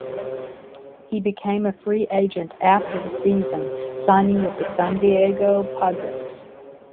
He became a free agent after the season, signing with the San Diego Padres.